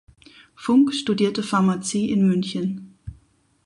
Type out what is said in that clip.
Funck studierte Pharmazie in München.